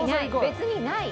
別にない。